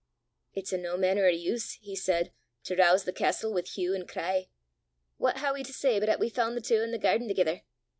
"It's o' no mainner of use," he said, "to rouse the castel wi' hue an' cry! What hae we to say but 'at we faund the twa i' the gairden thegither!